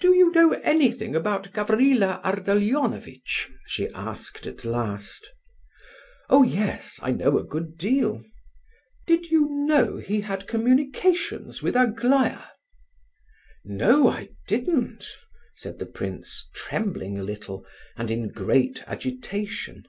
"Do you know anything about Gavrila Ardalionovitch?" she asked at last. "Oh yes, I know a good deal." "Did you know he had communications with Aglaya?" "No, I didn't," said the prince, trembling a little, and in great agitation.